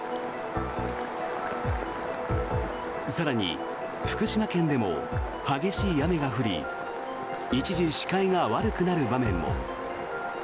更に、福島県でも激しい雨が降り一時、視界が悪くなる場面も。